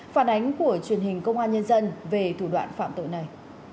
phản ánh của truyền hình công an nhân dân về thủ đoạn phạm tội này